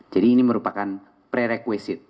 jadi ini merupakan prerequisite